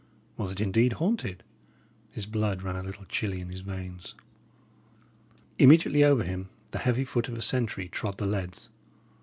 Was it, indeed, haunted? His blood ran a little chilly in his veins. Immediately over him the heavy foot of a sentry trod the leads.